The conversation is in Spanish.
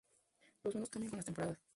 Los menús cambian con las temporadas.